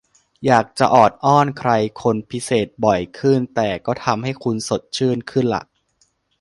อยากจะออดอ้อนใครคนพิเศษบ่อยขึ้นแต่ก็ทำให้คุณสดชื่นขึ้นล่ะ